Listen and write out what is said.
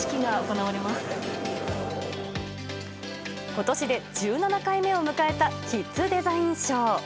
今年で１７回目を迎えたキッズデザイン賞。